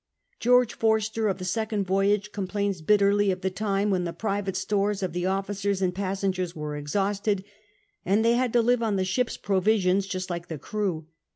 George Forster, of the second voyage^ complains bitterly of the time when the private stores of the officers and passengers were exhausted, and they had to live on the ship's pro visions just like the crew.